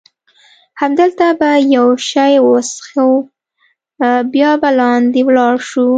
همدلته به یو شی وڅښو، بیا به لاندې ولاړ شو.